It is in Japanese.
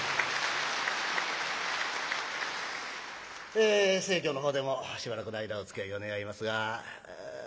え生喬のほうでもしばらくの間おつきあいを願いますが。